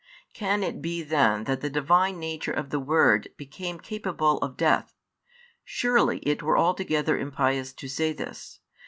Can it be then that the Divine Nature of the Word |148 became capable of death? Surely it were altogether impious to say this.